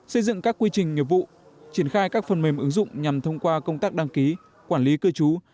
xây dựng các quy trình nghiệp vụ triển khai các phần mềm ứng dụng nhằm thông qua công tác đăng ký quản lý cư trú